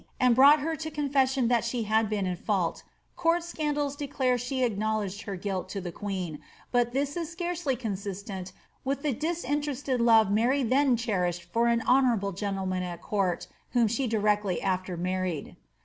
and brought her to confession that she had been in fault — court icandals declare she acknowledged her guilt to the queen, but this is icarcely consistent with the disinterested love Mary then cherished for an honourable gentleman at court, whom she directly after married.